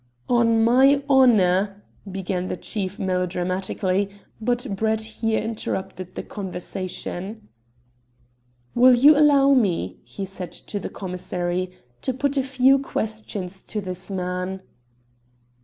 "On my honour " began the thief melodramatically, but Brett here interrupted the conversation. "Will you allow me," he said to the commissary, "to put a few questions to this man?"